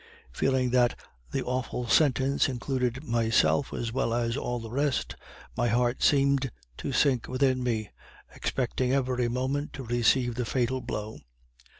Feeling that the awful sentence included myself as well as all the rest, my heart seemed to sink within me, expecting every moment to receive the fatal blow.